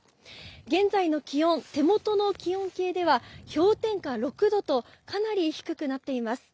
現在の気温、手元の気温計では氷点下６度とかなり低くなっています。